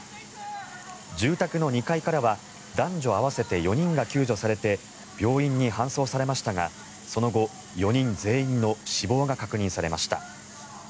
住宅の２階からは男女合わせて４人が救助されて病院に搬送されましたがその後、４人全員の死亡が確認されました。